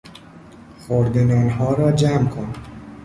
خرده نانها را جمع کن.